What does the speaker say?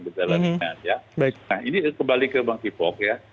nah ini kembali ke monkey pop ya